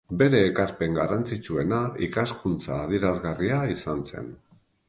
Bere ekarpen garrantzitsuena ikaskuntza adierazgarria izan zen.